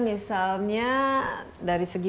misalnya dari segi